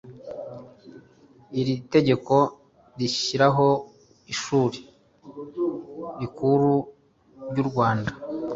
Iri tegeko rishyiraho Ishuri Rikuru ry u Rwanda